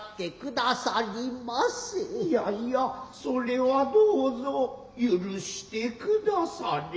いやいや夫れはどうぞ許して下され。